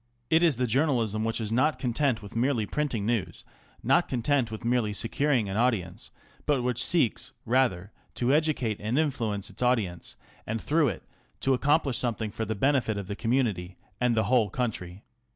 It is' the journalism which is not content with merely printing news, not content with merely securing an audience, but which seeks rather to educate and influence its audience, and through it to accomplish something for the benefit of the community and the whole country.